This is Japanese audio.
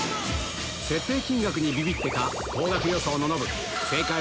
設定金額にビビってか高額予想のノブ